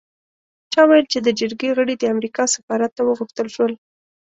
چا ویل چې د جرګې غړي د امریکا سفارت ته وغوښتل شول.